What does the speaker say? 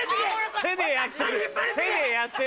手でやってる！